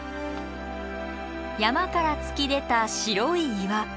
山から突き出た白い岩。